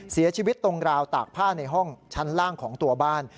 เสียชีวิตตรงราวตากผ้าในห้องชั้นล่างของตัวบ้าน